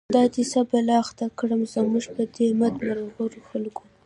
دا دی څه بلا اخته کړه، زموږ په دی بد مرغو خلکو